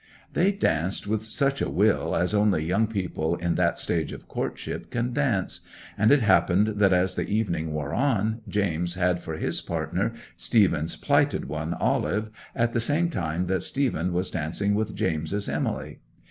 'They danced with such a will as only young people in that stage of courtship can dance; and it happened that as the evening wore on James had for his partner Stephen's plighted one, Olive, at the same time that Stephen was dancing with James's Emily.